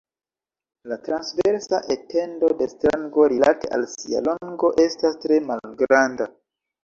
La transversa etendo de stango rilate al sia longo estas tre malgranda.